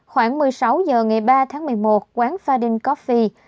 khoảng một mươi sáu h ngày ba tháng một mươi một quán fadin coffee